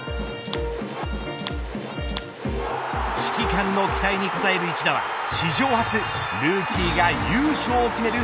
指揮官の期待に応える一打は史上初、ルーキーが優勝を決める